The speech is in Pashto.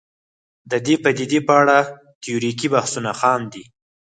د دې پدیدې په اړه تیوریکي بحثونه خام دي